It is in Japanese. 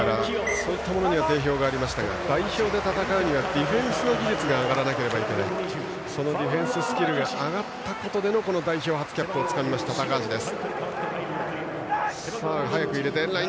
そういったものには定評がありましたが代表で戦うにはディフェンス力が上がらないといけないそのディフェンススキルが上がったことでのこの代表初キャップつかみました高橋です。